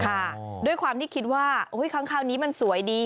ค่ะด้วยความที่คิดว่าครั้งนี้มันสวยดี